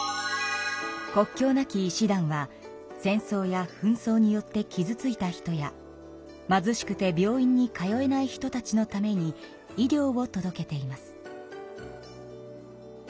国境なき医師団は戦争やふん争によってきずついた人や貧しくて病院に通えない人たちのために医療を届けています。